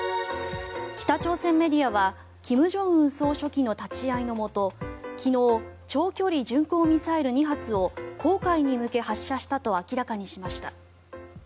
北朝鮮メディアは金正恩総書記の立ち会いのもと昨日、長距離巡航ミサイル２発を黄海に向け発射したと明らかにしました。